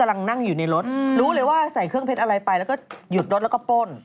รู้เลยว่าใส่เครื่องเพชรอะไรไปแล้วยุดรถละก็ป้น